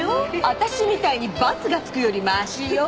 私みたいにバツがつくよりマシよ。